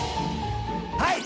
はい！